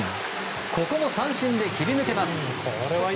ここも三振で切り抜けます。